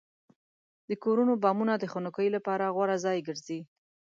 د کورونو بامونه د خنکۍ لپاره غوره ځای ګرځي.